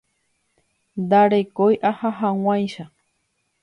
Ndarekói aha hag̃uáicha.